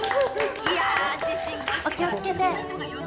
お気をつけて。